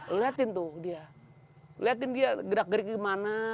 lihatin tuh dia lihatin dia gerak gerik gimana